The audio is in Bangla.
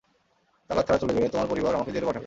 তালাক ছাড়া চলে গেলে, তোমার পরিবার আমাকে জেলে পাঠাবে।